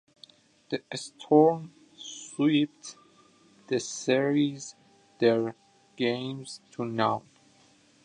The Storm swept the series three games to none.